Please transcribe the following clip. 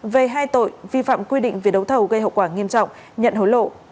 về hai tội vi phạm quy định về đấu thầu gây hậu quả nghiêm trọng nhận hối lộ